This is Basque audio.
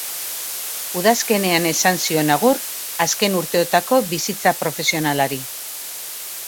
Udazkenean esan zion agur azken urteotako bizitza profesionalari.